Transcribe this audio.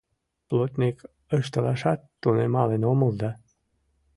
Плотник ышталашат тунемалын омыл да